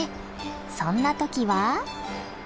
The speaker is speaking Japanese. そんな時は。